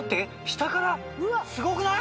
下からすごくない？